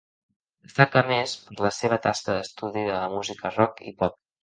Destaca a més per la seva tasca d'estudi de la música rock i pop.